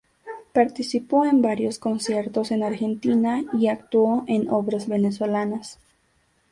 Participó en varios conciertos en Argentina y actuó en obras venezolanas.